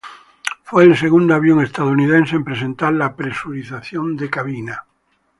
Fue el segundo avión estadounidense en presentar la presurización de cabina.